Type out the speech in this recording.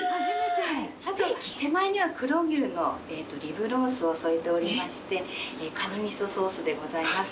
手前には黒牛のリブロースを添えておりまして蟹味噌ソースでございます。